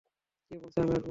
কে বলেছে আমি আসব না?